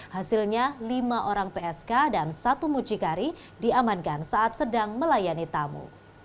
hasilnya lima orang psk dan satu mucikari diamankan saat sedang melayani tamu